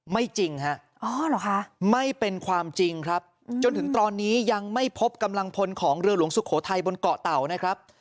จริงฮะไม่เป็นความจริงครับจนถึงตอนนี้ยังไม่พบกำลังพลของเรือหลวงสุโขทัยบนเกาะเต่านะครับ